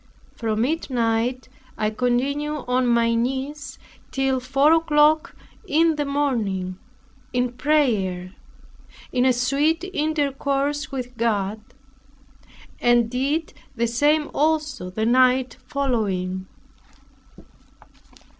From midnight I continued on my knees, till four o'clock in the morning, in prayer, in a sweet intercourse with God, and did the same also the night following.